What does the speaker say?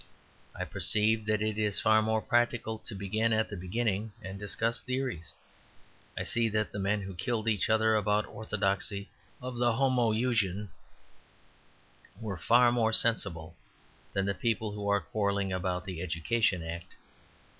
I perceive that it is far more practical to begin at the beginning and discuss theories. I see that the men who killed each other about the orthodoxy of the Homoousion were far more sensible than the people who are quarrelling about the Education Act.